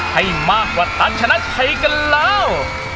ให้มากกว่าตันชนะไทยกันแล้ว